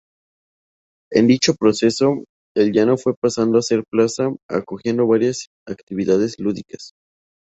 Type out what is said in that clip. En dicho proceso, el llano fue pasando a ser plaza, acogiendo varias actividades lúdicas.